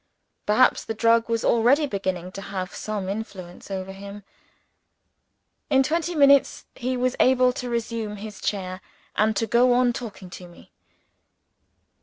Perhaps the drug was already beginning to have some influence over him? In twenty minutes, he was able to resume his chair, and to go on talking to me.